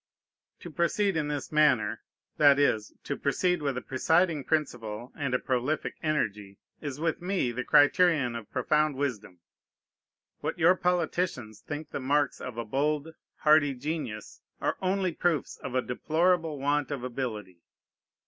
To proceed in this manner, that is, to proceed with a presiding principle and a prolific energy, is with me the criterion of profound wisdom. What your politicians think the marks of a bold, hardy genius are only proofs of a deplorable want of ability.